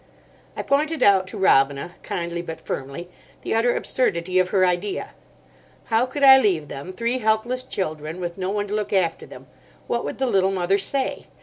I pointed out to Robina, kindly but firmly, the utter absurdity of her idea. How could I leave them, three helpless children, with no one to look after them? What would the Little Mother say?